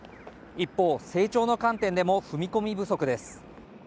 一方、成長の観点でも踏み込み不足です